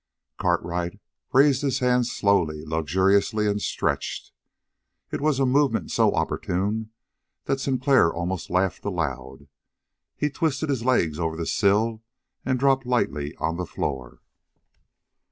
Cartwright raised his hands slowly, luxuriously, and stretched. It was a movement so opportune that Sinclair almost laughed aloud. He twisted his legs over the sill and dropped lightly on the floor.